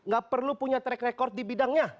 gak perlu punya track record di bidangnya